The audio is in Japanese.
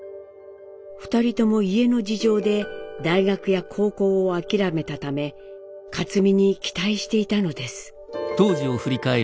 ２人とも家の事情で大学や高校を諦めたため克実に期待していたのです。